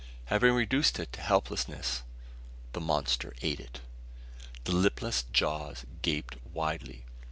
Having reduced it to helplessness the monster ate it! The lipless jaws gaped widely.